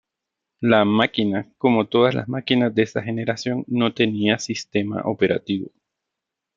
La máquina, como todas las máquinas de esa generación, no tenía sistema operativo.